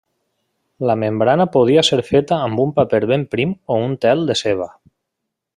La membrana podia ser feta amb un paper ben prim o un tel de ceba.